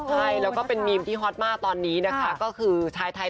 ใช่แล้วก็เป็นมีมที่ฮอตมากตอนนี้นะคะก็คือชายไทย